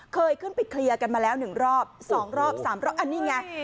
เคยขึ้นไปเคลียร์กันมาแล้ว๑รอบ๒รอบ๓รอบอันนี้ไง